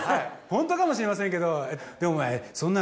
ホントかもしれませんけど。